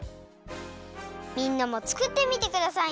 みんなもつくってみてくださいね。